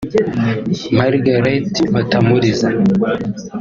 Margaret Batamuriza